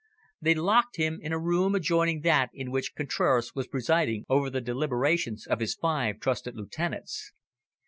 They locked him in a room adjoining that in which Contraras was presiding over the deliberations of his five trusted lieutenants.